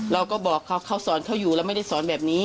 เราก็บอกเขาเขาสอนเขาอยู่เราไม่ได้สอนแบบนี้